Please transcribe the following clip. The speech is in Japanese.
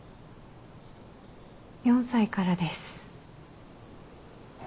４歳からですあ